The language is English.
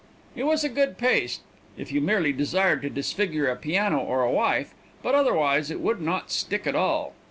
It was good paste, if you merely desired to disfigure a piano or a wife, but otherwise it would not stick at all.